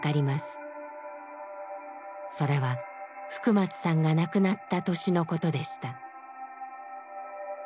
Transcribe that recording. それは福松さんが亡くなった年のことでした。